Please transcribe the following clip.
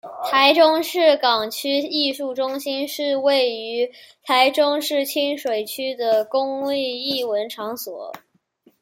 台中市港区艺术中心是位于台中市清水区的公立艺文场所。